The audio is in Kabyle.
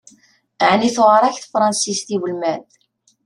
Ɛni tewεeṛ-ak tefransist i ulmad?